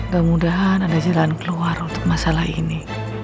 mudah mudahan ada jalan keluar untuk masalah ini